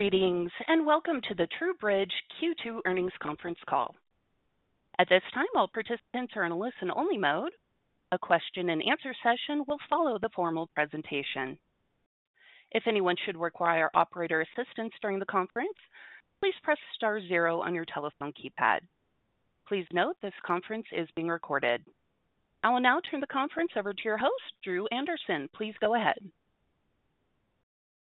Greetings and welcome to the TruBridge Q2 Earnings Conference Call. At this time, all participants are in a listen-only mode. A question and answer session will follow the formal presentation. If anyone should require operator assistance during the conference, please press * zero on your telephone keypad. Please note this conference is being recorded. I will now turn the conference over to your host, Dru Anderson. Please go ahead.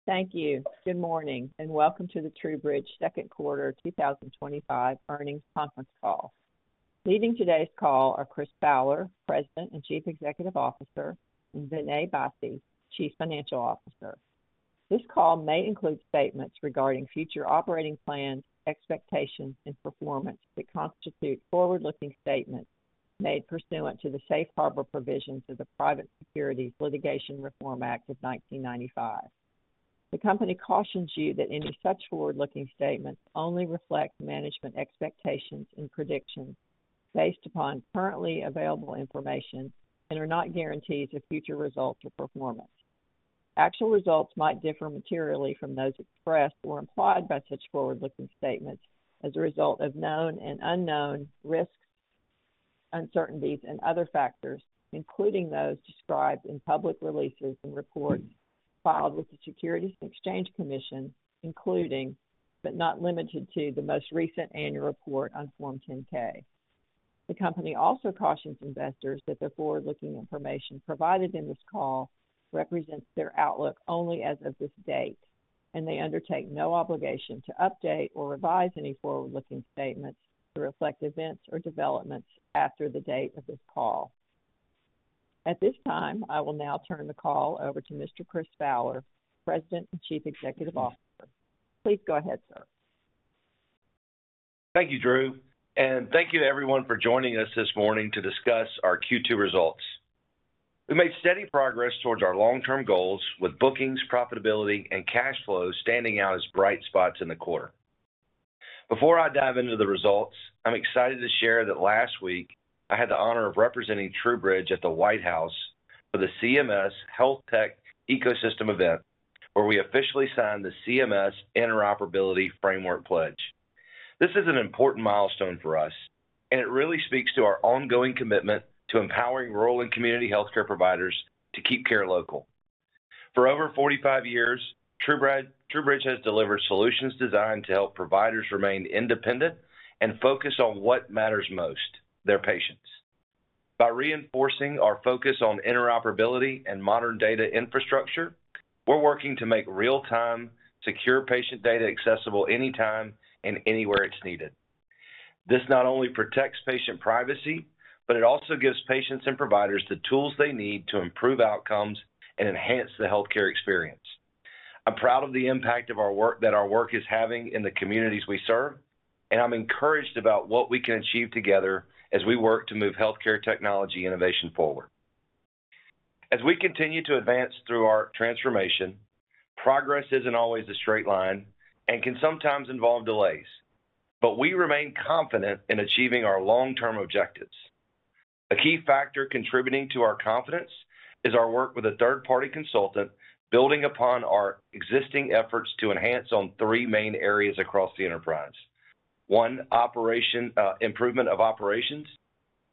Thank you. Good morning and welcome to the TruBridge Second Quarter 2025 Earnings Conference Call. Leading today's call are Chris Fowler, President and Chief Executive Officer, and Vinay Bassi, Chief Financial Officer. This call may include statements regarding future operating plans, expectations, and performance that constitute forward-looking statements made pursuant to the safe harbor provisions of the Private Securities Litigation Reform Act of 1995. The company cautions you that any such forward-looking statements only reflect management expectations and predictions based upon currently available information and are not guarantees of future results or performance. Actual results might differ materially from those expressed or implied by such forward-looking statements as a result of known and unknown risks, uncertainties, and other factors, including those described in public releases and reports filed with the Securities and Exchange Commission, including but not limited to the most recent annual report on Form 10-K. The company also cautions investors that the forward-looking information provided in this call represents their outlook only as of this date, and they undertake no obligation to update or revise any forward-looking statements to reflect events or developments after the date of this call. At this time, I will now turn the call over to Mr. Chris Fowler, President and Chief Executive Officer. Please go ahead, sir. Thank you, Dru, and thank you to everyone for joining us this morning to discuss our Q2 results. We've made steady progress towards our long-term goals, with bookings, profitability, and cash flow standing out as bright spots in the quarter. Before I dive into the results, I'm excited to share that last week I had the honor of representing TruBridge at the White House for the CMS Health Tech Ecosystem event, where we officially signed the CMS interoperability framework pledge. This is an important milestone for us, and it really speaks to our ongoing commitment to empowering rural and community healthcare providers to keep care local. For over 45 years, TruBridge has delivered solutions designed to help providers remain independent and focus on what matters most: their patients. By reinforcing our focus on interoperability and modern data infrastructure, we're working to make real-time, secure patient data accessible anytime and anywhere it's needed. This not only protects patient privacy, but it also gives patients and providers the tools they need to improve outcomes and enhance the healthcare experience. I'm proud of the impact that our work is having in the communities we serve, and I'm encouraged about what we can achieve together as we work to move healthcare technology innovation forward. As we continue to advance through our transformation, progress isn't always a straight line and can sometimes involve delays, but we remain confident in achieving our long-term objectives. A key factor contributing to our confidence is our work with a third-party consultant, building upon our existing efforts to enhance on three main areas across the enterprise: one, improvement of operations;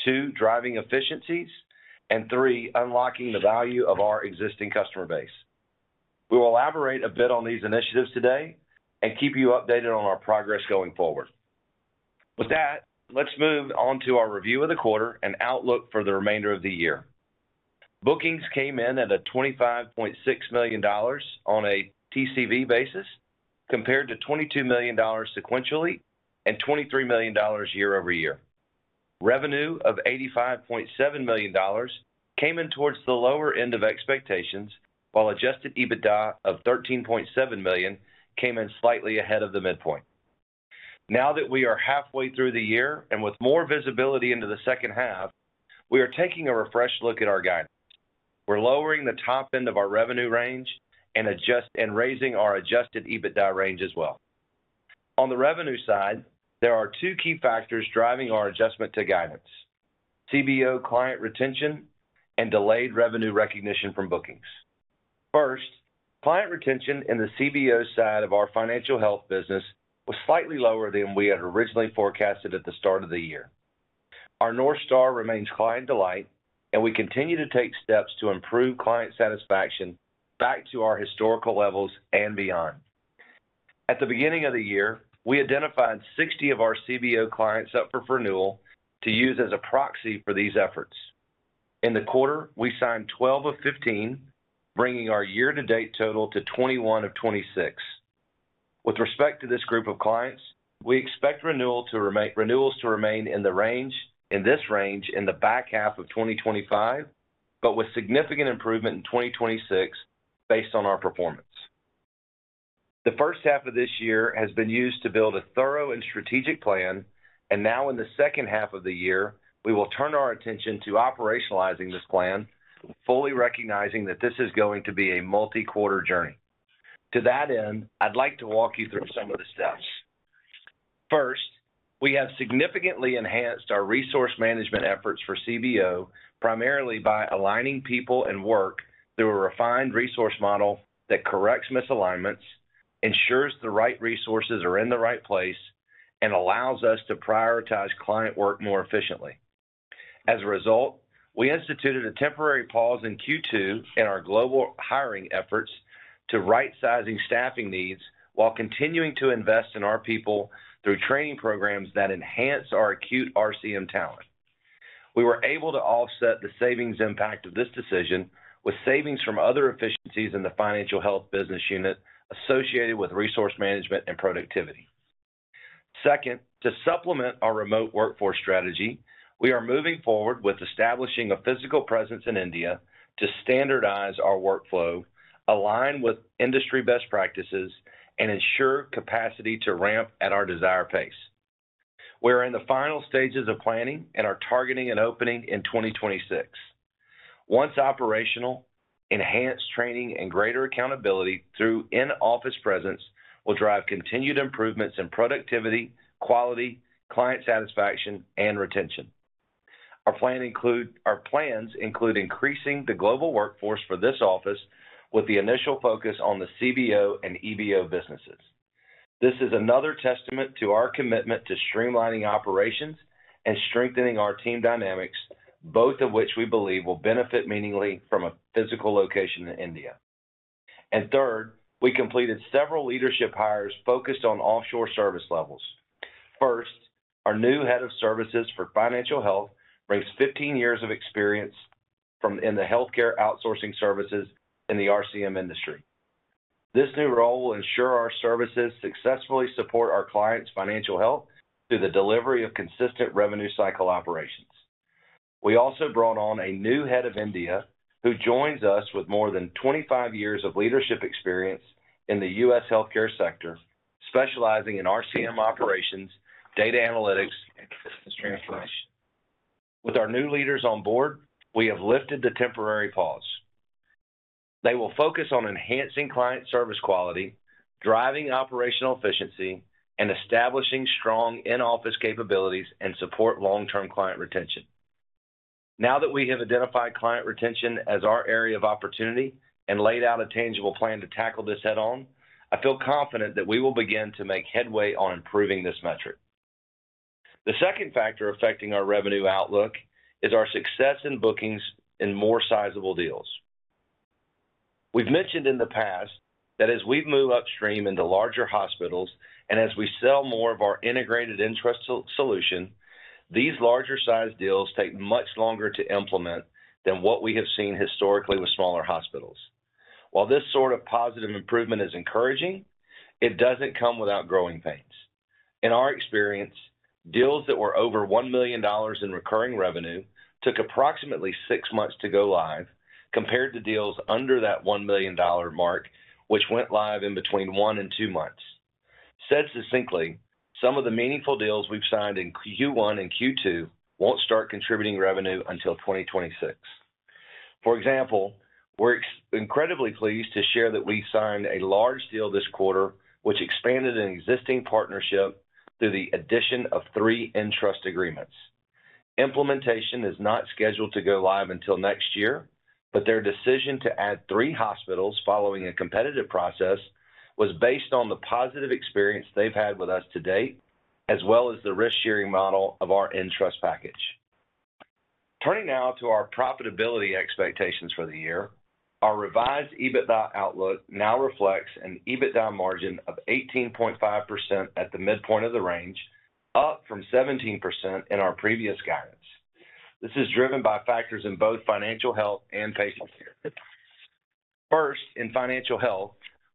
two, driving efficiencies; and three, unlocking the value of our existing customer base. We will elaborate a bit on these initiatives today and keep you updated on our progress going forward. With that, let's move on to our review of the quarter and outlook for the remainder of the year. Bookings came in at $25.6 million on a TCV basis, compared to $22 million sequentially and $23 million year-over-year. Revenue of $85.7 million came in towards the lower end of expectations, while adjusted EBITDA of $13.7 million came in slightly ahead of the midpoint. Now that we are halfway through the year and with more visibility into the second half, we are taking a refreshed look at our guidance. We're lowering the top end of our revenue range and raising our adjusted EBITDA range as well. On the revenue side, there are two key factors driving our adjustment to guidance: CBO client retention and delayed revenue recognition from bookings. First, client retention in the CBO side of our Financial Health business was slightly lower than we had originally forecasted at the start of the year. Our north star remains client delight, and we continue to take steps to improve client satisfaction back to our historical levels and beyond. At the beginning of the year, we identified 60 of our CBO clients up for renewal to use as a proxy for these efforts. In the quarter, we signed 12 of 15, bringing our year-to-date total to 21 of 26. With respect to this group of clients, we expect renewals to remain in this range in the back half of 2025, but with significant improvement in 2026 based on our performance. The first half of this year has been used to build a thorough and strategic plan, and now in the second half of the year, we will turn our attention to operationalizing this plan, fully recognizing that this is going to be a multi-quarter journey. To that end, I'd like to walk you through some of the steps. First, we have significantly enhanced our resource management efforts for CBO, primarily by aligning people and work through a refined resource model that corrects misalignments, ensures the right resources are in the right place, and allows us to prioritize client work more efficiently. As a result, we instituted a temporary pause in Q2 in our global hiring efforts to right-size staffing needs while continuing to invest in our people through training programs that enhance our acute RCM talent. We were able to offset the savings impact of this decision with savings from other efficiencies in the Financial Health business unit associated with resource management and productivity. Second, to supplement our remote workforce strategy, we are moving forward with establishing a physical presence in India to standardize our workflow, align with industry best practices, and ensure capacity to ramp at our desired pace. We are in the final stages of planning and are targeting an opening in 2026. Once operational, enhanced training and greater accountability through in-office presence will drive continued improvements in productivity, quality, client satisfaction, and retention. Our plans include increasing the global workforce for this office, with the initial focus on the CBO and EBO businesses. This is another testament to our commitment to streamlining operations and strengthening our team dynamics, both of which we believe will benefit meaningfully from a physical location in India. Third, we completed several leadership hires focused on offshore service levels. First, our new Head of Services for Financial Health brings 15 years of experience in the healthcare outsourcing services in the RCM industry. This new role will ensure our services successfully support our clients' financial health through the delivery of consistent revenue cycle operations. We also brought on a new Head of India who joins us with more than 25 years of leadership experience in the U.S. healthcare sector, specializing in RCM operations, data analytics, and business translation. With our new leaders on board, we have lifted the temporary pause. They will focus on enhancing client service quality, driving operational efficiency, and establishing strong in-office capabilities and support long-term client retention. Now that we have identified client retention as our area of opportunity and laid out a tangible plan to tackle this head-on, I feel confident that we will begin to make headway on improving this metric. The second factor affecting our revenue outlook is our success in bookings and more sizable deals. We've mentioned in the past that as we move upstream into larger hospitals and as we sell more of our integrated interest solution, these larger-sized deals take much longer to implement than what we have seen historically with smaller hospitals. While this sort of positive improvement is encouraging, it doesn't come without growing pains. In our experience, deals that were over $1 million in recurring revenue took approximately six months to go live, compared to deals under that $1 million mark, which went live in between one and two months. Said succinctly, some of the meaningful deals we've signed in Q1 and Q2 won't start contributing revenue until 2026. For example, we're incredibly pleased to share that we signed a large deal this quarter, which expanded an existing partnership through the addition of three interest agreements. Implementation is not scheduled to go live until next year, but their decision to add three hospitals following a competitive process was based on the positive experience they've had with us to date, as well as the risk-sharing model of our interest package. Turning now to our profitability expectations for the year, our revised EBITDA outlook now reflects an EBITDA margin of 18.5% at the midpoint of the range, up from 17% in our previous guidance. This is driven by factors in both Financial Health and Patient Care. First, in Financial Health,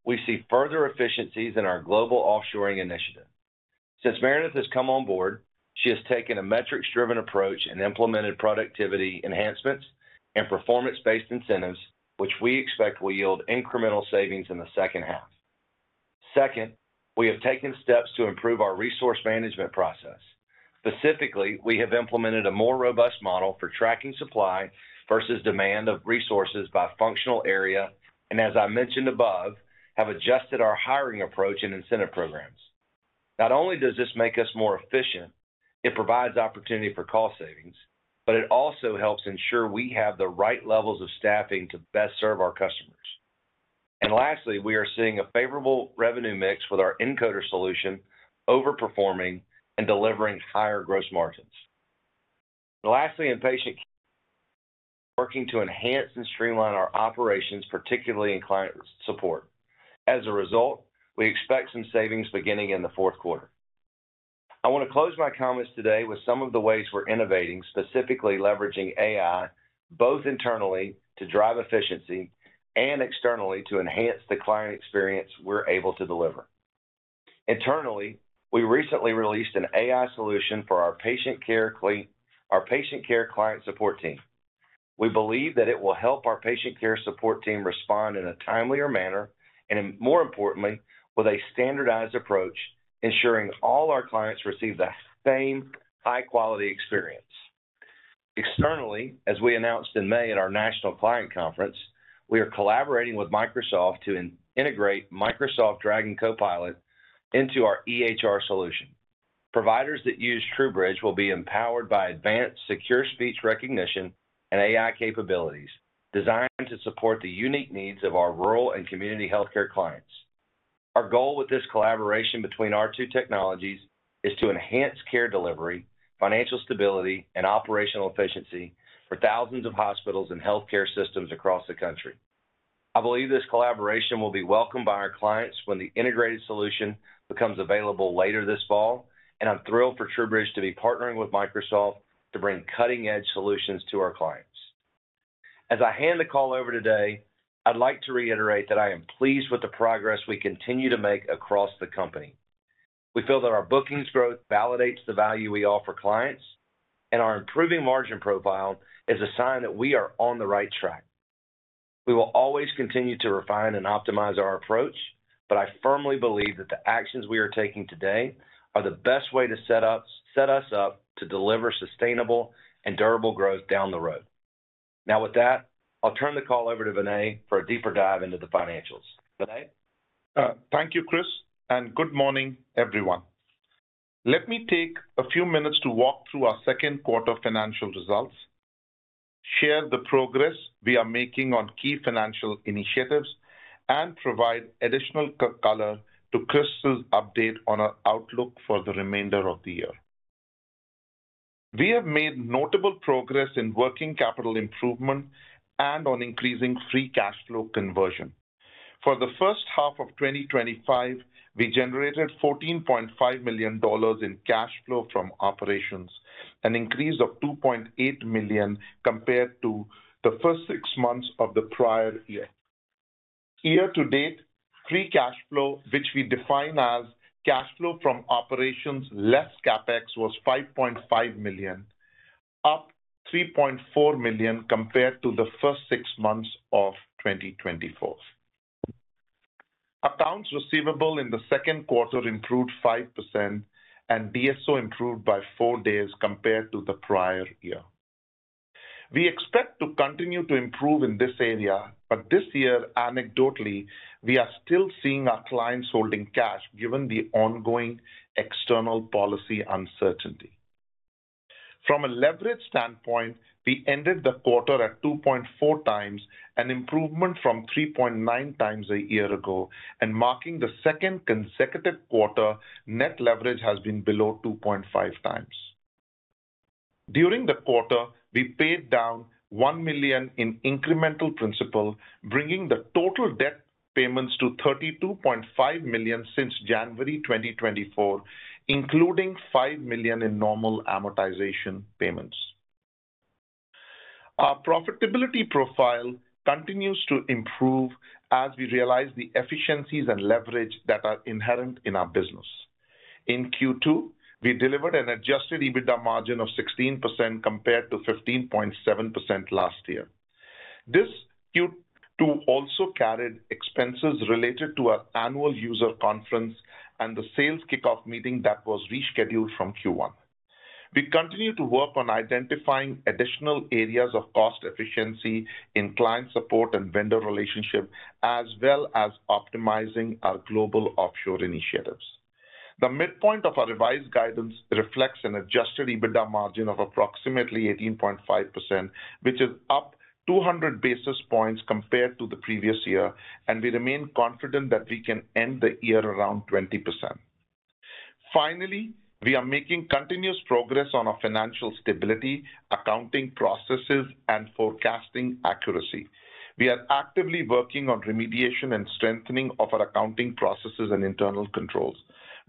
we see further efficiencies in our global offshoring initiative. Since Merideth has come on board, she has taken a metrics-driven approach and implemented productivity enhancements and performance-based incentives, which we expect will yield incremental savings in the second half. Second, we have taken steps to improve our resource management process. Specifically, we have implemented a more robust model for tracking supply versus demand of resources by functional area, and as I mentioned above, have adjusted our hiring approach and incentive programs. Not only does this make us more efficient, it provides opportunity for cost savings, but it also helps ensure we have the right levels of staffing to best serve our customers. Lastly, we are seeing a favorable revenue mix with our encoder solution overperforming and delivering higher gross margins. Lastly, in Patient Care, we are working to enhance and streamline our operations, particularly in client support. As a result, we expect some savings beginning in the fourth quarter. I want to close my comments today with some of the ways we're innovating, specifically leveraging AI, both internally to drive efficiency and externally to enhance the client experience we're able to deliver. Internally, we recently released an AI solution for our Patient Care client support team. We believe that it will help our Patient Care support team respond in a timelier manner and, more importantly, with a standardized approach, ensuring all our clients receive the same high-quality experience. Externally, as we announced in May at our National Client Conference, we are collaborating with Microsoft to integrate Microsoft Dragon Copilot into our EHR solution. Providers that use TruBridge will be empowered by advanced secure speech recognition and AI capabilities designed to support the unique needs of our rural and community healthcare clients. Our goal with this collaboration between our two technologies is to enhance care delivery, financial stability, and operational efficiency for thousands of hospitals and healthcare systems across the country. I believe this collaboration will be welcomed by our clients when the integrated solution becomes available later this fall, and I'm thrilled for TruBridge to be partnering with Microsoft to bring cutting-edge solutions to our clients. As I hand the call over today, I'd like to reiterate that I am pleased with the progress we continue to make across the company. We feel that our bookings growth validates the value we offer clients, and our improving margin profile is a sign that we are on the right track. We will always continue to refine and optimize our approach, but I firmly believe that the actions we are taking today are the best way to set us up to deliver sustainable and durable growth down the road. Now, with that, I'll turn the call over to Vinay for a deeper dive into the financials. Vinay? Thank you, Chris, and good morning, everyone. Let me take a few minutes to walk through our second quarter financial results, share the progress we are making on key financial initiatives, and provide additional color to Chris's update on our outlook for the remainder of the year. We have made notable progress in working capital improvement and on increasing free cash flow conversion. For the first half of 2025, we generated $14.5 million in cash flow from operations, an increase of $2.8 million compared to the first six months of the prior year. Year to date, free cash flow, which we define as cash flow from operations less CapEx, was $5.5 million, up $3.4 million compared to the first six months of 2024. Accounts receivable in the second quarter improved 5%, and DSO improved by four days compared to the prior year. We expect to continue to improve in this area, but this year, anecdotally, we are still seeing our clients holding cash given the ongoing external policy uncertainty. From a leverage standpoint, we ended the quarter at 2.4x, an improvement from 3.9x a year ago, and marking the second consecutive quarter net leverage has been below 2.5x. During the quarter, we paid down $1 million in incremental principal, bringing the total debt payments to $32.5 million since January 2024, including $5 million in normal amortization payments. Our profitability profile continues to improve as we realize the efficiencies and leverage that are inherent in our business. In Q2, we delivered an adjusted EBITDA margin of 16% compared to 15.7% last year. This Q2 also carried expenses related to our annual user conference and the sales kickoff meeting that was rescheduled from Q1. We continue to work on identifying additional areas of cost efficiency in client support and vendor relationship, as well as optimizing our global offshore initiatives. The midpoint of our revised guidance reflects an adjusted EBITDA margin of approximately 18.5%, which is up 200 basis points compared to the previous year, and we remain confident that we can end the year around 20%. Finally, we are making continuous progress on our financial stability, accounting processes, and forecasting accuracy. We are actively working on remediation and strengthening of our accounting processes and internal controls.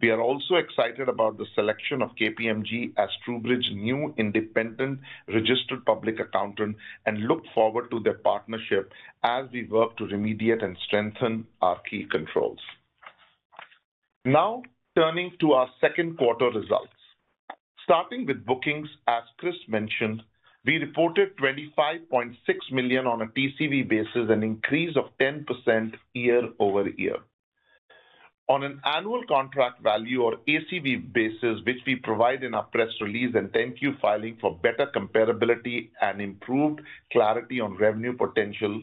We are also excited about the selection of KPMG as TruBridge's new independent registered public accountant and look forward to their partnership as we work to remediate and strengthen our key controls. Now, turning to our second quarter results. Starting with bookings, as Chris mentioned, we reported $25.6 million on a TCV basis, an increase of 10% year-over-year. On an Annual Contract Value or ACV basis, which we provide in our press release and 10-Q filing for better comparability and improved clarity on revenue potential,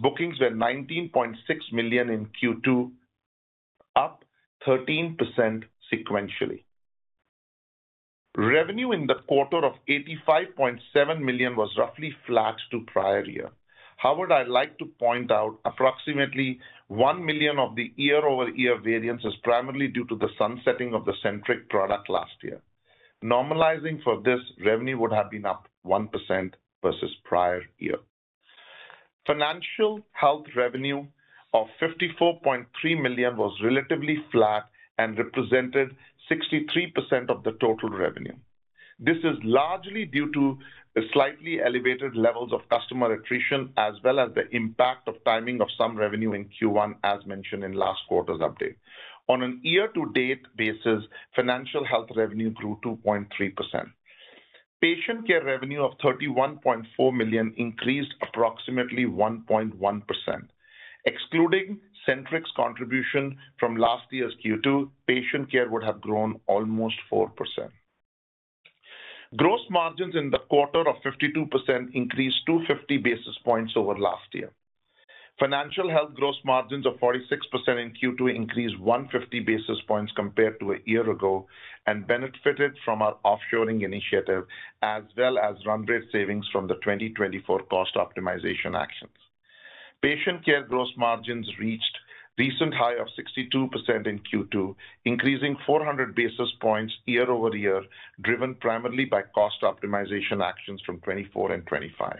bookings were $19.6 million in Q2, up 13% sequentially. Revenue in the quarter of $85.7 million was roughly flat to prior year. However, I'd like to point out approximately $1 million of the year-over-year variance is primarily due to the sunsetting of the Centriq product last year. Normalizing for this, revenue would have been up 1% versus prior year. Financial Health revenue of $54.3 million was relatively flat and represented 63% of the total revenue. This is largely due to slightly elevated levels of customer attrition, as well as the impact of timing of some revenue in Q1, as mentioned in last quarter's update. On a year-to-date basis, Financial Health revenue grew 2.3%. Patient Care revenue of $31.4 million increased approximately 1.1%. Excluding Centriq's contribution from last year's Q2, Patient Care would have grown almost 4%. Gross margins in the quarter of 52% increased 250 basis points over last year. Financial Health gross margins of 46% in Q2 increased 150 basis points compared to a year ago and benefited from our offshoring initiative, as well as run rate savings from the 2024 cost optimization actions. Patient Care gross margins reached a recent high of 62% in Q2, increasing 400 basis points year-over-year, driven primarily by cost optimization actions from 2024 and 2025.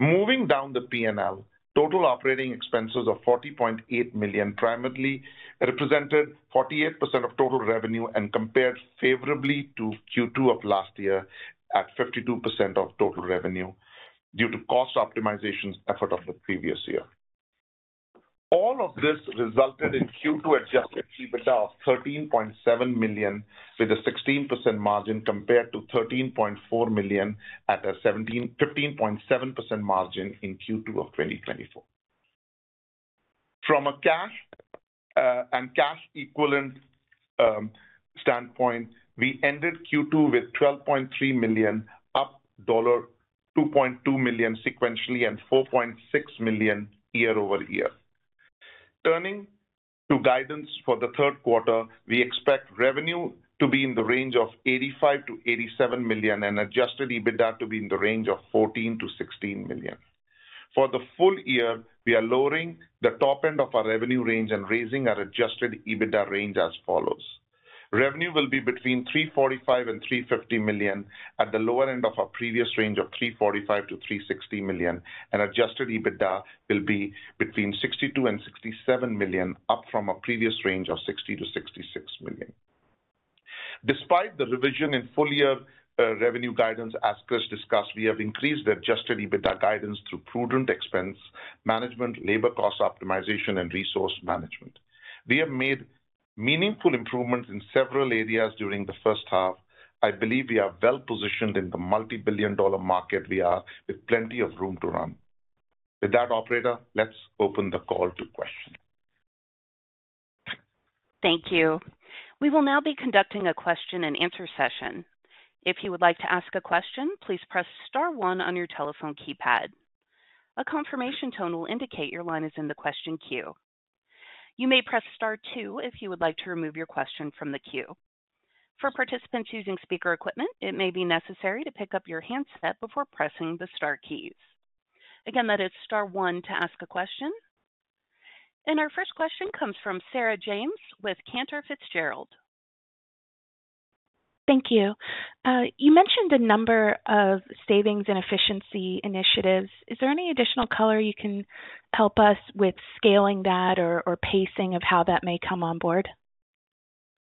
Moving down the P&L, total operating expenses of $40.8 million primarily represented 48% of total revenue and compared favorably to Q2 of last year at 52% of total revenue due to cost optimization effort of the previous year. All of this resulted in Q2 adjusted EBITDA of $13.7 million with a 16% margin compared to $13.4 million at a 15.7% margin in Q2 of 2024. From a cash and cash equivalent standpoint, we ended Q2 with $12.3 million, up $2.2 million sequentially, and $4.6 million year-over-year. Turning to guidance for the third quarter, we expect revenue to be in the range of $85 million-$87 million and adjusted EBITDA to be in the range of $14 million-$16 million. For the full year, we are lowering the top end of our revenue range and raising our adjusted EBITDA range as follows. Revenue will be between $345 million and $350 million at the lower end of our previous range of $345 million-$360 million, and adjusted EBITDA will be between $62 million and $67 million, up from our previous range of $60 million-$66 million. Despite the revision in full year revenue guidance, as Chris discussed, we have increased the adjusted EBITDA guidance through prudent expense management, labor cost optimization, and resource management. We have made meaningful improvements in several areas during the first half. I believe we are well positioned in the multi-billion dollar market we are with plenty of room to run. With that, operator, let's open the call to questions. Thank you. We will now be conducting a question and answer session. If you would like to ask a question, please press * one on your telephone keypad. A confirmation tone will indicate your line is in the question queue. You may press * two if you would like to remove your question from the queue. For participants using speaker equipment, it may be necessary to pick up your handset before pressing the * keys. Again, that is *one to ask a question. Our first question comes from Sarah James with Cantor Fitzgerald. Thank you. You mentioned a number of savings and efficiency initiatives. Is there any additional color you can help us with scaling that or pacing of how that may come on board?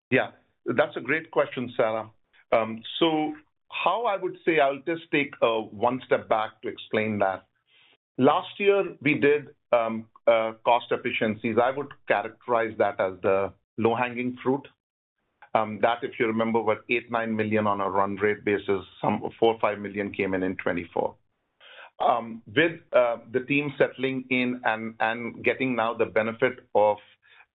Yeah, that's a great question, Sarah. I would say, I'll just take one step back to explain that. Last year, we did cost efficiencies. I would characterize that as the low-hanging fruit. That, if you remember, was $8 million-$9 million on a run rate basis. Some $4 million-$5 million came in in 2024. With the team settling in and getting now the benefit of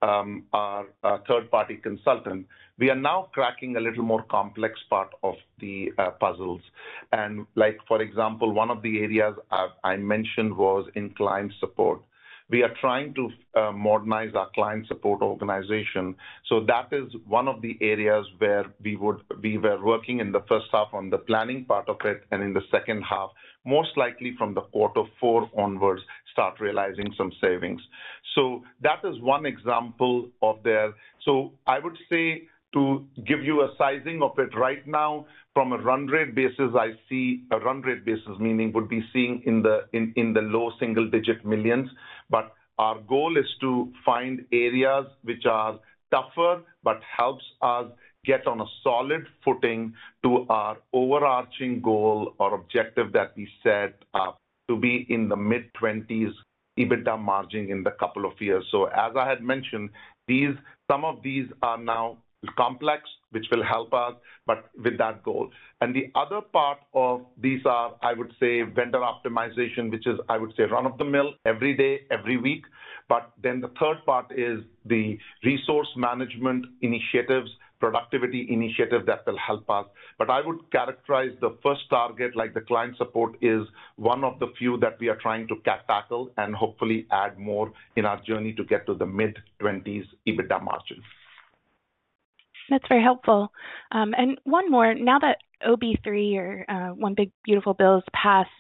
our third-party consultant, we are now cracking a little more complex part of the puzzles. For example, one of the areas I mentioned was in client support. We are trying to modernize our client support organization. That is one of the areas where we were working in the first half on the planning part of it, and in the second half, most likely from quarter four onwards, start realizing some savings. That is one example there. I would say to give you a sizing of it right now, from a run rate basis, I see a run rate basis meaning would be seeing in the low single-digit millions. Our goal is to find areas which are tougher, but help us get on a solid footing to our overarching goal or objective that we set up to be in the mid-20s EBITDA margin in a couple of years. As I had mentioned, some of these are now complex, which will help us, with that goal. The other part of these are, I would say, vendor optimization, which is, I would say, run of the mill every day, every week. The third part is the resource management initiatives, productivity initiative that will help us. I would characterize the first target, like the client support, as one of the few that we are trying to tackle and hopefully add more in our journey to get to the mid-20s EBITDA margin. That's very helpful. Now that OB3, your One Big Beautiful Bill, is passed,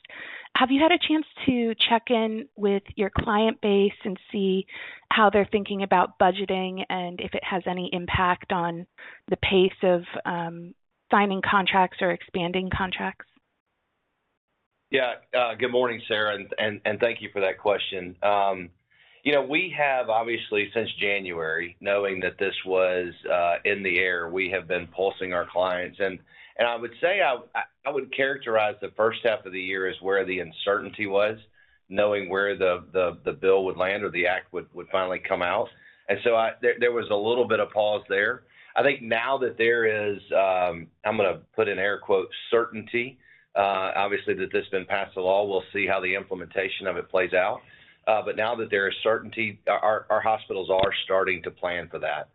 have you had a chance to check in with your client base and see how they're thinking about budgeting and if it has any impact on the pace of signing contracts or expanding contracts? Yeah, good morning, Sarah, and thank you for that question. We have obviously since January, knowing that this was in the air, been pulsing our clients. I would say I would characterize the first half of the year as where the uncertainty was, knowing where the bill would land or the act would finally come out. There was a little bit of pause there. I think now that there is, I'm going to put an air quote, "certainty," that this has been passed into law, we'll see how the implementation of it plays out. Now that there is certainty, our hospitals are starting to plan for that.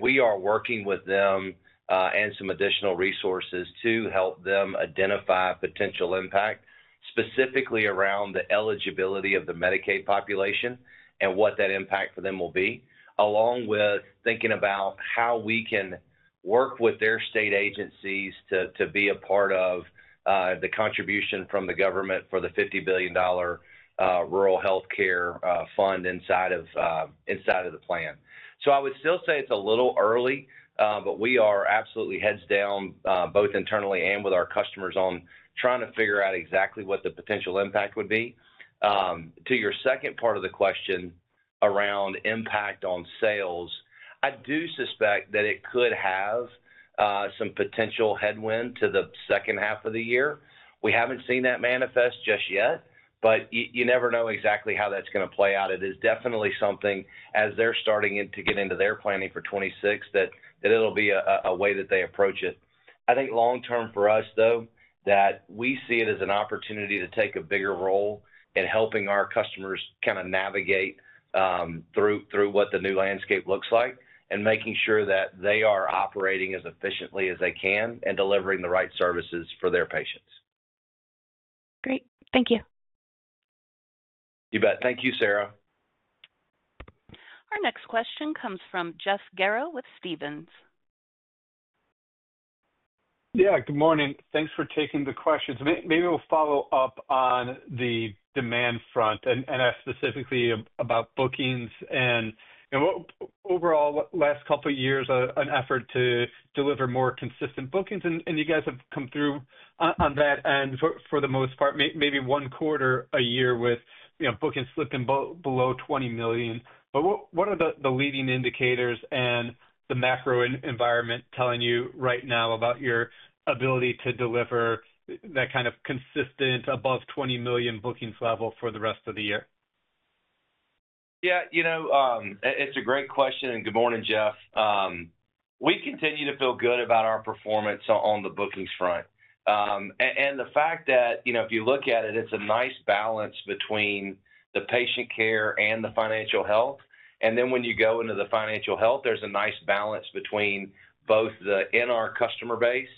We are working with them and some additional resources to help them identify potential impact, specifically around the eligibility of the Medicaid population and what that impact for them will be, along with thinking about how we can work with their state agencies to be a part of the contribution from the government for the $50 billion rural healthcare fund inside of the plan. I would still say it's a little early, but we are absolutely heads down, both internally and with our customers, on trying to figure out exactly what the potential impact would be. To your second part of the question around impact on sales, I do suspect that it could have some potential headwind to the second half of the year. We haven't seen that manifest just yet, but you never know exactly how that's going to play out. It is definitely something, as they're starting to get into their planning for 2026, that it'll be a way that they approach it. I think long-term for us, though, that we see it as an opportunity to take a bigger role in helping our customers kind of navigate through what the new landscape looks like and making sure that they are operating as efficiently as they can and delivering the right services for their patients. Great. Thank you. You bet. Thank you, Sarah. Our next question comes from Jeff Garro with Stephens. Good morning. Thanks for taking the questions. Maybe we'll follow up on the demand front and ask specifically about bookings and overall the last couple of years, an effort to deliver more consistent bookings. You guys have come through on that end for the most part, maybe one quarter a year with bookings slipping below $20 million. What are the leading indicators and the macro environment telling you right now about your ability to deliver that kind of consistent above $20 million bookings level for the rest of the year? Yeah, you know, it's a great question, and good morning, Jeff. We continue to feel good about our performance on the bookings front. The fact that, you know, if you look at it, it's a nice balance between the Patient Care and the Financial Health. When you go into the Financial Health, there's a nice balance between both the in our customer base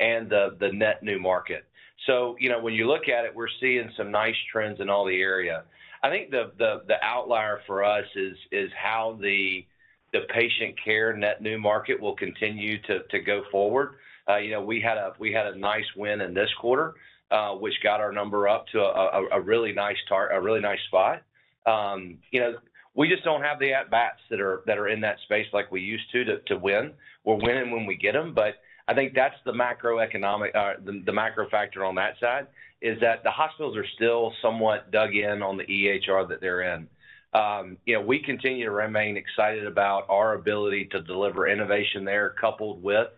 and the net new market. You know, when you look at it, we're seeing some nice trends in all the area. I think the outlier for us is how the Patient Care net new market will continue to go forward. We had a nice win in this quarter, which got our number up to a really nice spot. We just don't have the at-bats that are in that space like we used to to win. We're winning when we get them. I think that's the macro factor on that side is that the hospitals are still somewhat dug in on the EHR that they're in. We continue to remain excited about our ability to deliver innovation there, coupled with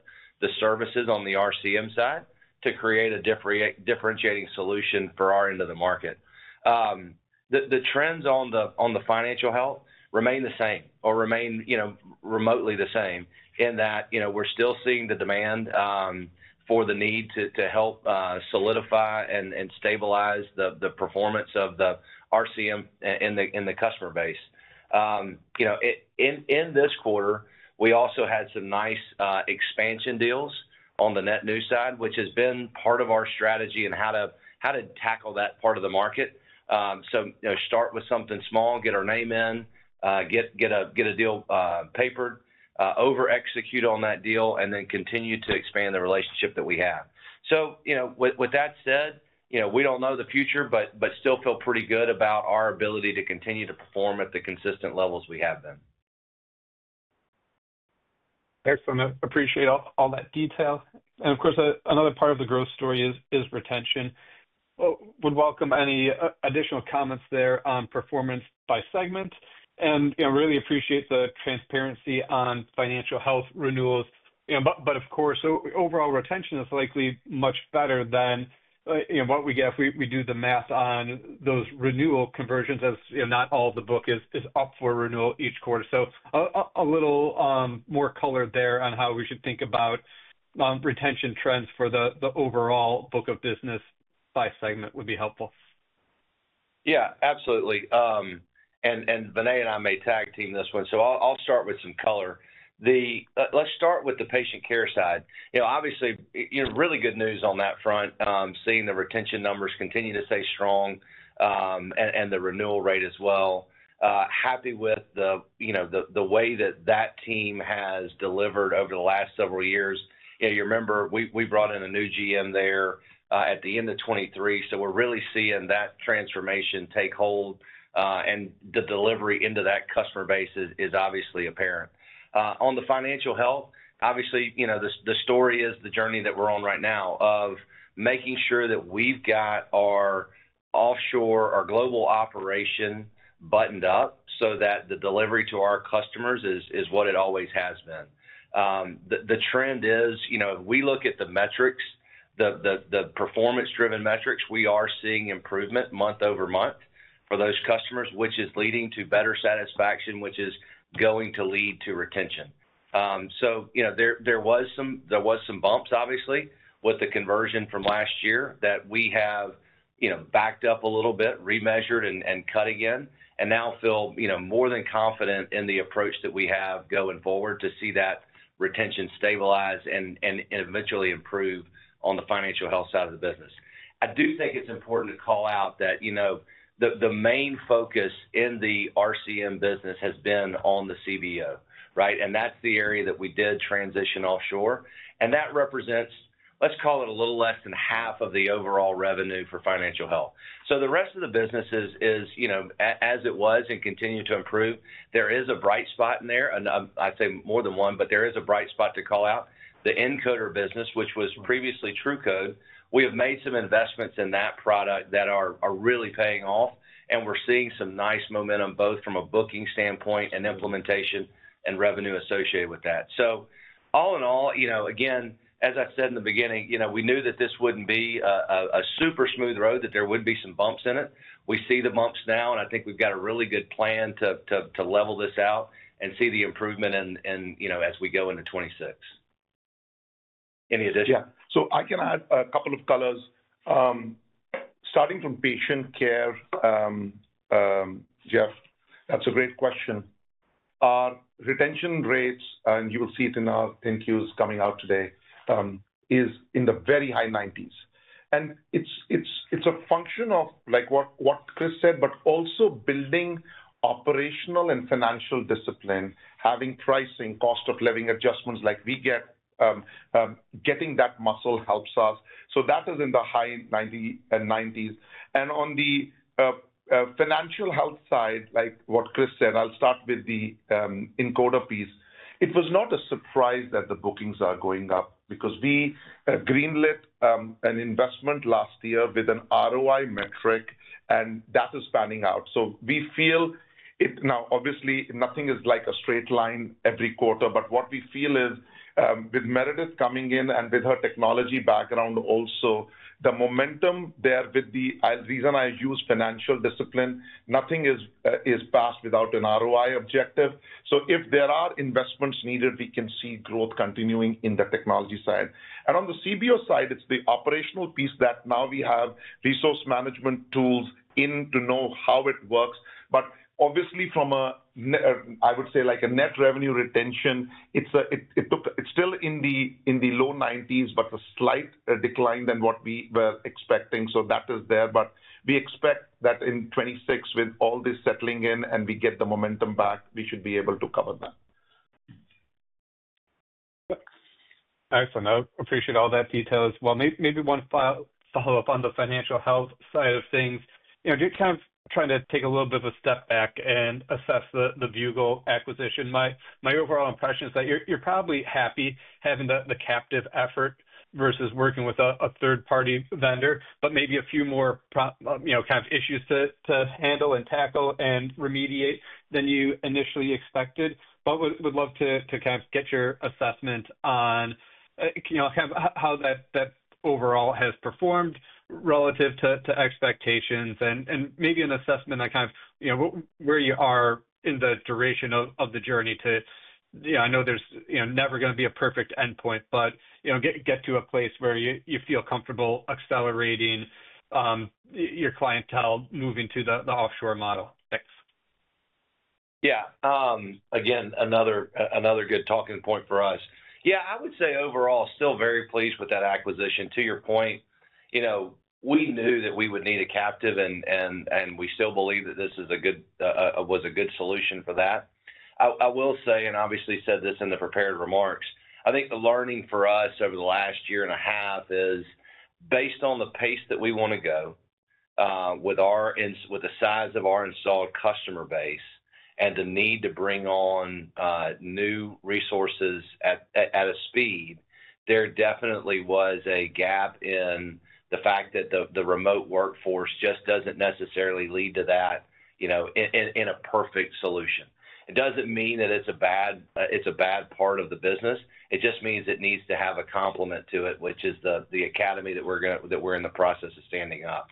the services on the RCM side to create a differentiating solution for our end of the market. The trends on the Financial Health remain the same or remain, you know, remotely the same in that, you know, we're still seeing the demand for the need to help solidify and stabilize the performance of the RCM in the customer base. In this quarter, we also had some nice expansion deals on the net new side, which has been part of our strategy and how to tackle that part of the market. Start with something small, get our name in, get a deal papered, over-execute on that deal, and then continue to expand the relationship that we have. With that said, you know, we don't know the future, but still feel pretty good about our ability to continue to perform at the consistent levels we have been. Excellent. I appreciate all that detail. Of course, another part of the growth story is retention. I would welcome any additional comments there on performance by segment. I really appreciate the transparency on Financial Health renewals. Of course, overall retention is likely much better than what we get if we do the math on those renewal conversions, as not all the book is up for renewal each quarter. A little more color there on how we should think about retention trends for the overall book of business by segment would be helpful. Yeah, absolutely. Vinay and I may tag team this one. I'll start with some color. Let's start with the Patient Care side. Obviously, really good news on that front, seeing the retention numbers continue to stay strong and the renewal rate as well. Happy with the way that team has delivered over the last several years. You remember we brought in a new GM there at the end of 2023. We're really seeing that transformation take hold, and the delivery into that customer base is obviously apparent. On the Financial Health, the story is the journey that we're on right now of making sure that we've got our offshore, our global operation buttoned up so that the delivery to our customers is what it always has been. The trend is, if we look at the metrics, the performance-driven metrics, we are seeing improvement month over month for those customers, which is leading to better satisfaction, which is going to lead to retention. There were some bumps with the conversion from last year that we have backed up a little bit, remeasured, and cut again. Now feel more than confident in the approach that we have going forward to see that retention stabilize and eventually improve on the Financial Health side of the business. I do think it's important to call out that the main focus in the RCM business has been on the CBO, right? That's the area that we did transition offshore. That represents, let's call it a little less than half of the overall revenue for Financial Health. The rest of the business is as it was and continued to improve. There is a bright spot in there. I'd say more than one, but there is a bright spot to call out the encoder business, which was previously TruCode. We have made some investments in that product that are really paying off. We're seeing some nice momentum both from a booking standpoint and implementation and revenue associated with that. All in all, as I've said in the beginning, we knew that this wouldn't be a super smooth road, that there wouldn't be some bumps in it. We see the bumps now, and I think we've got a really good plan to level this out and see the improvement as we go into 2026. Any additional? Yeah, so I can add a couple of colors. Starting from Patient Care, Jeff, that's a great question. Our retention rates, and you will see it in our 10-Qs coming out today, is in the very high 90%. It is a function of, like what Chris said, but also building operational and financial discipline, having pricing, cost of living adjustments like we get, getting that muscle helps us. That is in the high 90%. On the Financial Health side, like what Chris said, I'll start with the encoder piece. It was not a surprise that the bookings are going up because we greenlit an investment last year with an ROI metric, and that is panning out. We feel it now. Obviously, nothing is like a straight line every quarter, but what we feel is, with Merideth coming in and with her technology background also, the momentum there with the reason I use financial discipline, nothing is passed without an ROI objective. If there are investments needed, we can see growth continuing in the technology side. On the CBO side, it's the operational piece that now we have resource management tools in to know how it works. Obviously, from a, I would say, like a net revenue retention, it's still in the low 90%, but a slight decline than what we were expecting. That is there. We expect that in 2026, with all this settling in and we get the momentum back, we should be able to cover that. Excellent. I appreciate all that detail as well. Maybe one follow-up on the Financial Health side of things. Just kind of trying to take a little bit of a step back and assess the Viewgol acquisition. My overall impression is that you're probably happy having the captive effort versus working with a third-party vendor, but maybe a few more issues to handle and tackle and remediate than you initially expected. We'd love to get your assessment on how that overall has performed relative to expectations and maybe an assessment on where you are in the duration of the journey to, I know there's never going to be a perfect endpoint, but get to a place where you feel comfortable accelerating your clientele moving to the offshore model. Thanks. Yeah, again, another good talking point for us. I would say overall still very pleased with that acquisition. To your point, you know, we knew that we would need a captive, and we still believe that this was a good solution for that. I will say, and obviously said this in the prepared remarks, I think the learning for us over the last year and a half is based on the pace that we want to go with the size of our installed customer base and the need to bring on new resources at a speed. There definitely was a gap in the fact that the remote workforce just doesn't necessarily lead to that, you know, in a perfect solution. It doesn't mean that it's a bad part of the business. It just means it needs to have a complement to it, which is the academy that we're in the process of standing up.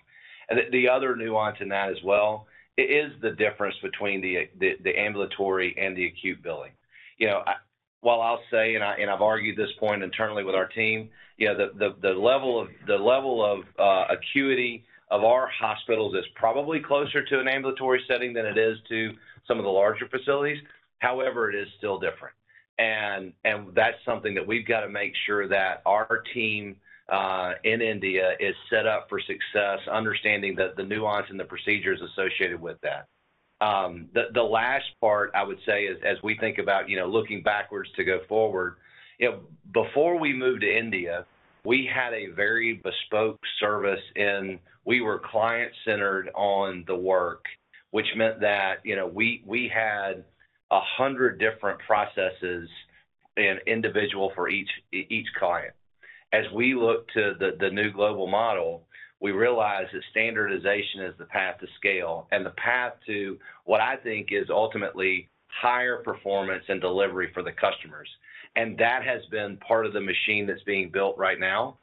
The other nuance in that as well is the difference between the ambulatory and the acute billing. You know, while I'll say, and I've argued this point internally with our team, the level of acuity of our hospitals is probably closer to an ambulatory setting than it is to some of the larger facilities. However, it is still different. That's something that we've got to make sure that our team in India is set up for success, understanding the nuance and the procedures associated with that. The last part, I would say, is as we think about looking backwards to go forward, before we moved to India, we had a very bespoke service and we were client-centered on the work, which meant that we had 100 different processes and individuals for each client. As we look to the new global model, we realize that standardization is the path to scale and the path to what I think is ultimately higher performance and delivery for the customers. That has been part of the machine that's being built right now,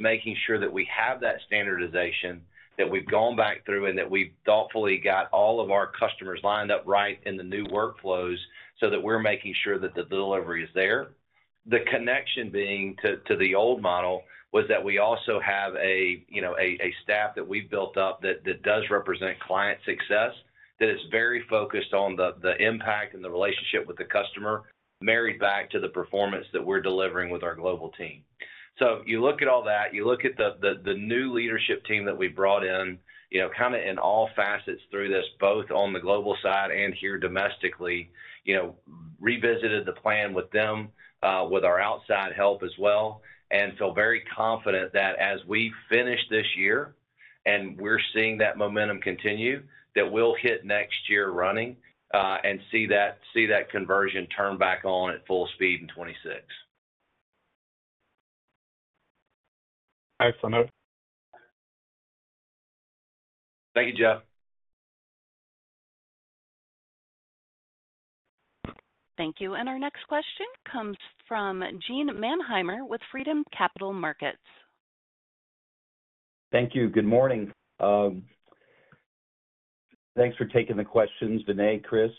making sure that we have that standardization, that we've gone back through, and that we've thoughtfully got all of our customers lined up right in the new workflows so that we're making sure that the delivery is there. The connection being to the old model was that we also have a staff that we've built up that does represent client success, that is very focused on the impact and the relationship with the customer, married back to the performance that we're delivering with our global team. You look at all that, you look at the new leadership team that we brought in, kind of in all facets through this, both on the global side and here domestically, revisited the plan with them, with our outside help as well, and feel very confident that as we finish this year, and we're seeing that momentum continue, that we'll hit next year running and see that conversion turn back on at full speed in 2026. Excellent. Thank you, Jeff. Thank you. Our next question comes from Gene Mannheimer with Freedom Capital Markets. Thank you. Good morning. Thanks for taking the questions, Vinay, Chris.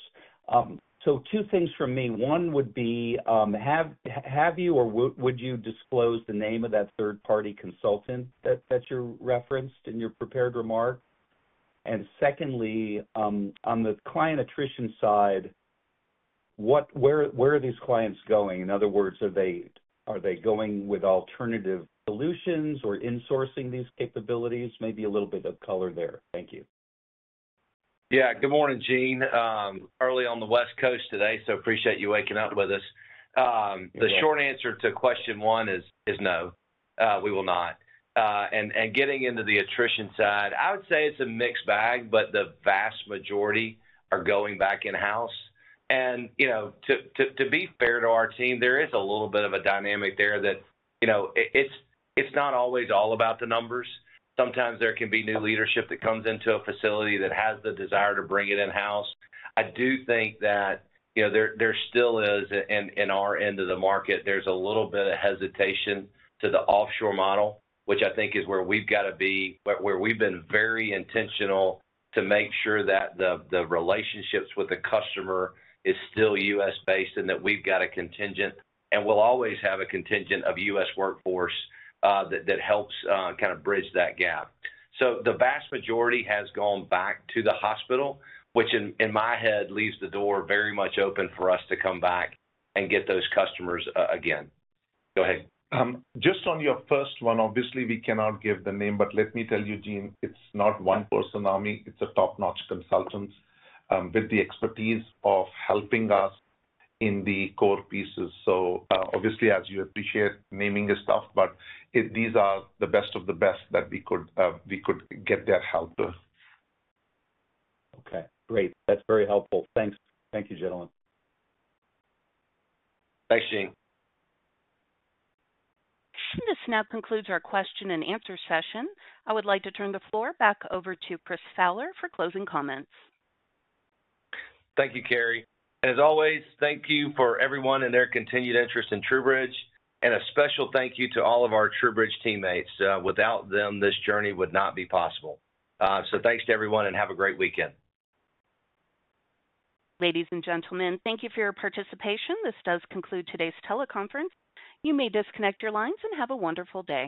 Two things from me. One would be, have you or would you disclose the name of that third-party consultant that you referenced in your prepared remark? Secondly, on the client attrition side, where are these clients going? In other words, are they going with alternative solutions or insourcing these capabilities? Maybe a little bit of color there. Thank you. Yeah, good morning, Gene. Early on the West Coast today, so I appreciate you waking up with us. The short answer to question one is no, we will not. Getting into the attrition side, I would say it's a mixed bag, but the vast majority are going back in-house. To be fair to our team, there is a little bit of a dynamic there that it's not always all about the numbers. Sometimes there can be new leadership that comes into a facility that has the desire to bring it in-house. I do think that there still is, in our end of the market, a little bit of hesitation to the offshore model, which I think is where we've got to be, where we've been very intentional to make sure that the relationships with the customer are still U.S.-based and that we've got a contingent, and we'll always have a contingent of U.S. workforce that helps kind of bridge that gap. The vast majority has gone back to the hospital, which in my head leaves the door very much open for us to come back and get those customers again. Go ahead. Just on your first one, obviously, we cannot give the name, but let me tell you, Gene, it's not one-person army. It's a top-notch consultant with the expertise of helping us in the core pieces. Obviously, as you appreciate, naming is tough, but these are the best of the best that we could get their help. Okay, great. That's very helpful. Thank you, gentlemen. Thanks, Jean. This now concludes our question and answer session. I would like to turn the floor back over to Chris Fowler for closing comments. Thank you, Carrie. As always, thank you for everyone and their continued interest in TruBridge, and a special thank you to all of our TruBridge teammates. Without them, this journey would not be possible. Thank you to everyone and have a great weekend. Ladies and gentlemen, thank you for your participation. This does conclude today's teleconference. You may disconnect your lines and have a wonderful day.